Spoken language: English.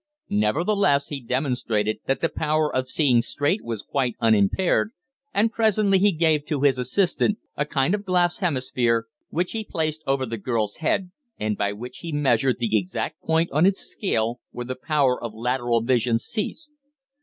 Nevertheless he demonstrated that the power of seeing straight was quite unimpaired, and presently he gave to his assistant a kind of glass hemisphere, which he placed over the girl's head, and by which he measured the exact point on its scale where the power of lateral vision ceased.